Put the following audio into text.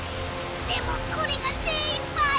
でもこれが精いっぱい！